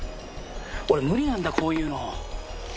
俺無理なんだこういうの。